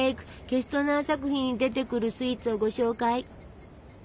ケストナー作品に出てくるスイーツをご紹介。